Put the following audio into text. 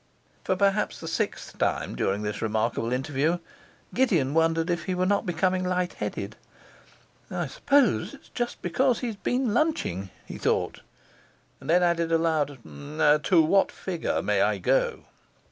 For perhaps the sixth time during this remarkable interview, Gideon wondered if he were not becoming light headed. 'I suppose it's just because he has been lunching,' he thought; and then added aloud, 'To what figure may I go?